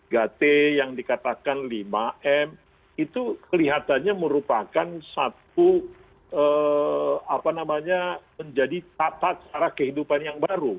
gate yang dikatakan lima m itu kelihatannya merupakan satu apa namanya menjadi tata cara kehidupan yang baru